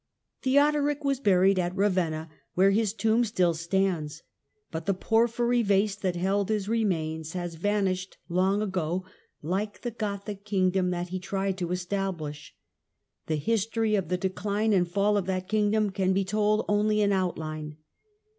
Theodoric was buried at Ravenna, where his tomb still stands. But the porphyry vase that held his re mains has vanished long ago, like the Gothic kingdom that he tried to establish. The history of the decline and fall of that kingdom can be told only in outline.